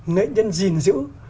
nghệ nhân gìn giữ